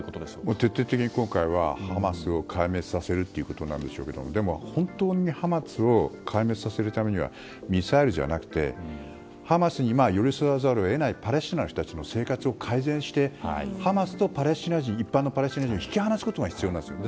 徹底的に今回はハマスを壊滅させるということなんでしょうがでも本当にハマスを壊滅させるためにはミサイルじゃなくてハマスに寄り添わざるを得ないパレスチナの人たちの生活を改善してハマスと一般のパレスチナ人を引き離すことが必要なんですよ。